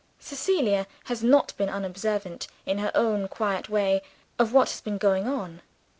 Cecilia has not been unobservant, in her own quiet way, of what has been going on.